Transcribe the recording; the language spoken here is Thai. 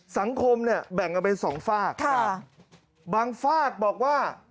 สังคมเนี่ยแบ่งกันเป็นสองฝากบางฝากบอกว่า